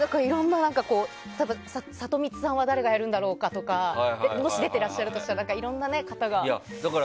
サトミツさんは誰がやるんだろうとかもし出てらっしゃるとしたらいろんな方が。